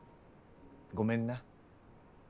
ごめんな。